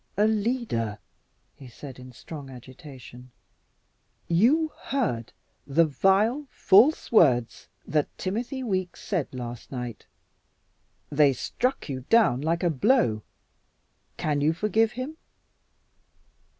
"Alida," he said in strong agitation, "you heard the vile, false words that Timothy Weeks said last night. They struck you down like a blow. Can you forgive him?"